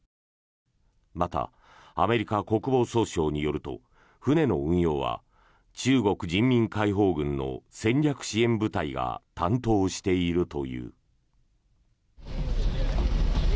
また、アメリカ国防総省によると船の運用は中国人民解放軍の戦略支援部隊が担当しているという。